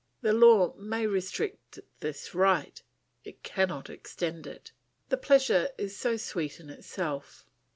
The law may restrict this right, it cannot extend it. The pleasure is so sweet in itself!